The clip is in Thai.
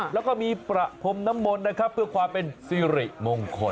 แล้วก็มีประพรมน้ำมนต์นะครับเพื่อความเป็นสิริมงคล